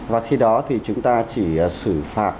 và khi đó thì chúng ta chỉ xử phạt